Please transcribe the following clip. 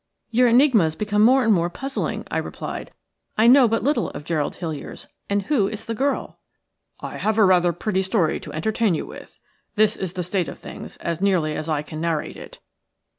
"Your enigmas become more and more puzzling," I replied. "I know but little of Gerald Hiliers. And who is the girl?" "I have rather a pretty story to entertain you with. This is the state of things, as nearly as I can narrate it.